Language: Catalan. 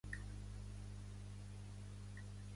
En quines zones d'Espanya es pot trobar el nom de Mamadou?